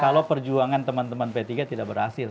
kalau perjuangan teman teman p tiga tidak berhasil